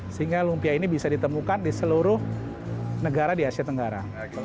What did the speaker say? sehingga lumpia ini bisa ditemukan di seluruh negara di asia tenggara